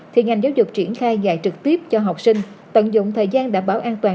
thì ngành giáo dục triển khai dạy trực tiếp cho học sinh tận dụng thời gian đảm bảo an toàn